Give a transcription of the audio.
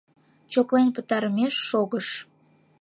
Чоклен пытарымеш шогыш.